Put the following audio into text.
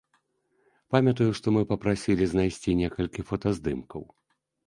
Памятаю, што мы папрасілі знайсці некалькі фотаздымкаў.